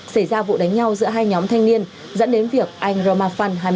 xảy ra vụ đánh nhau giữa hai nhóm thanh niên dẫn đến việc anh roma phan